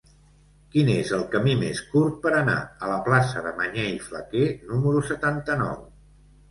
Quin és el camí més curt per anar a la plaça de Mañé i Flaquer número setanta-nou?